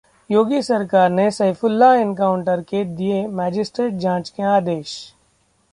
योगी सरकार ने सैफुल्लाह एनकाउंटर के दिए मजिस्ट्रेट जांच के आदेश